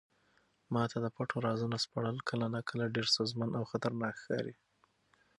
ما ته د پټو رازونو سپړل کله ناکله ډېر ستونزمن او خطرناک ښکاري.